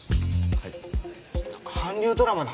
はい？